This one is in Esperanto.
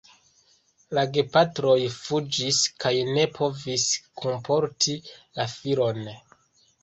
La gepatroj fuĝis kaj ne povis kunporti la filon.